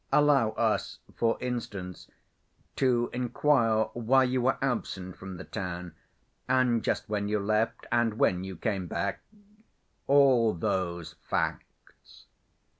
Allow us, for instance, to inquire why you were absent from the town, and just when you left and when you came back—all those facts."